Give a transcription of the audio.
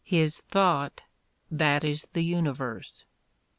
... His thought, that is the Universe.